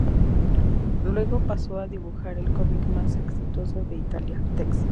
Luego pasó a dibujar el cómic más exitoso de Italia: "Tex".